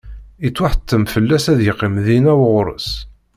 Yettwaḥettem fell-as ad yeqqim dinna ɣur-s.